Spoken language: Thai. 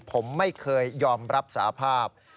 ผมไม่เคยยอมรับสาภาพ